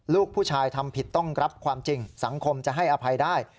ลูกผู้ชายทำผิดต้องรับความจริงสังคมจะให้อภัยได้